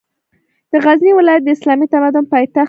د غزني ولایت د اسلامي تمدن پاېتخت ده